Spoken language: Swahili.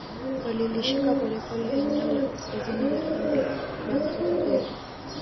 Walilishika polepole eneo la kaskazini la bonde la mto Kagera